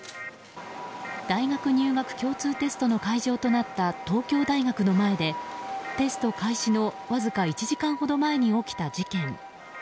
大学入学共通テストの会場となった東京大学の前で、テスト開始のわずか１時間ほど前に起きた事件。